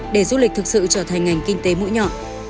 để du lịch thực sự trở thành ngành kinh tế mũi nhọn